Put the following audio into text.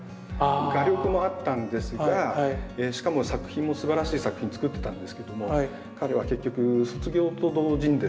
画力もあったんですがしかも作品もすばらしい作品作ってたんですけども彼は結局卒業と同時にですね